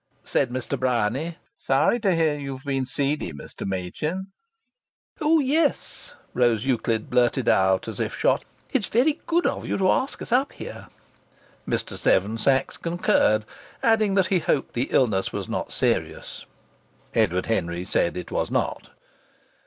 Said Mr. Bryany: "Sorry to hear you've been seedy, Mr. Machin!" "Oh, yes!" Rose Euclid blurted out, as if shot. "It's very good of you to ask us up here." Mr. Seven Sachs concurred, adding that he hoped the illness was not serious. Edward Henry said it was not.